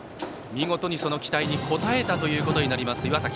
見事に、その期待に応えたことになります、岩崎。